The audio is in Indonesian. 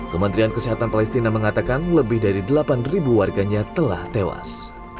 kementerian kesehatan palestina mengatakan lebih dari delapan warganya telah tewas